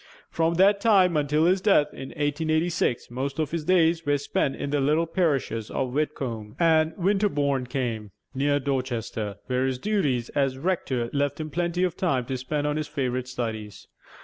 From that time until his death in 1886, most of his days were spent in the little parishes of Whitcombe and Winterbourne Came, near Dorchester, where his duties as rector left him plenty of time to spend on his favorite studies.